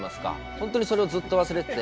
本当にそれをずっと忘れてて。